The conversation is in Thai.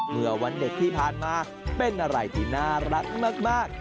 เมื่อวันเด็กที่ผ่านมาเป็นอะไรที่น่ารักมาก